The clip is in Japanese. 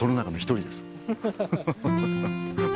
ハハハハ。